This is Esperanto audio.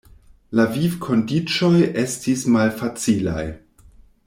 La vivkondiĉoj estis malfacilaj.